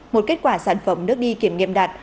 một kết quả sản phẩm nước đi kiểm nghiệm đạt